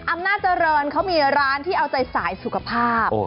อำนาจเจริญเขามีร้านที่เอาใจสายสุขภาพ